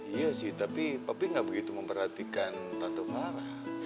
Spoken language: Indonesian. iya sih tapi papi gak begitu memperhatikan tante farah